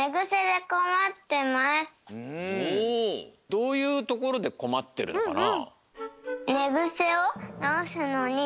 どういうところでこまってるのかな？